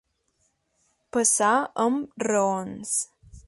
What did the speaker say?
Passar amb raons.